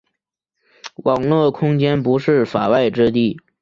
网络空间不是“法外之地”。